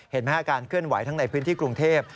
เห็นไหมครับการเคลื่อนไหวทั้งในพื้นที่กรุงเทพ